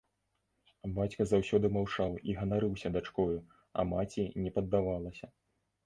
Бацька заўсёды маўчаў і ганарыўся дачкою, а маці не паддавалася.